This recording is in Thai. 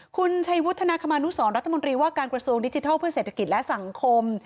คุณชัยวุฒนาคมานุสรรัฐมนตรีว่าการกระทรวงดิจิทัลเพื่อเศรษฐกิจและสังคม